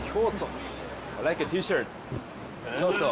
京都